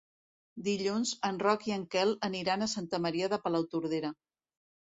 Dilluns en Roc i en Quel aniran a Santa Maria de Palautordera.